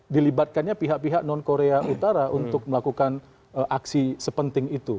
dilibatkannya pihak pihak non korea utara untuk melakukan aksi sepenting itu